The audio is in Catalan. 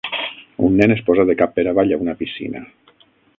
Un nen es posa de cap per avall a una piscina.